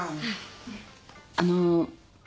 あの。